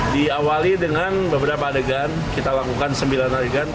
diawali dengan beberapa adegan kita lakukan sembilan adegan